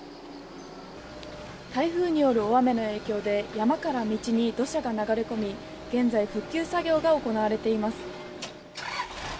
台風による大雨の影響で山から道に土砂が流れ込み現在復旧作業が行われています。